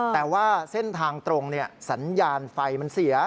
แต่ว่าเส้นทางตรงสัญญาณไฟมันเสีย